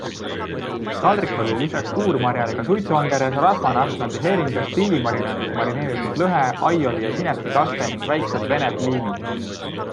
Taldrikul olid lisaks tuur Mariale ka suitsuangerjas, rasvane atlandi heeringas, tillimarinaadis marineeritud lõhe, aioli- ja sinepikaste ning väiksed vene pliinid.